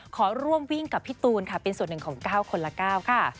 ขอร่วมวิ่งกับพี่ตูนค่ะเป็นส่วนหนึ่งของ๙คนละ๙ค่ะ